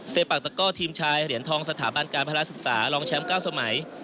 ปากตะก้อทีมชายเหรียญทองสถาบันการภาระศึกษารองแชมป์๙สมัย